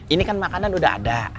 ini kan makanan udah ada